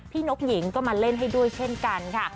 นกหญิงก็มาเล่นให้ด้วยเช่นกันค่ะ